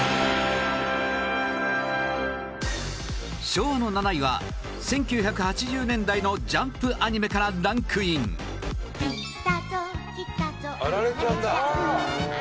昭和の７位は、１９８０年代の『ジャンプ』アニメからランクイン伊達：『アラレちゃん』だ！